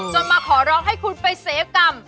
มาขอร้องให้คุณไปเสยกรรม